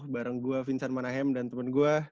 bareng gue vincent manahem dan teman gue